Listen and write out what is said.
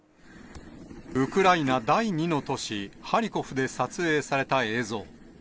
ウクライナ第２の都市、ハリコフで撮影された映像。